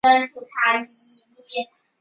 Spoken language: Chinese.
背上都是严重的伤痕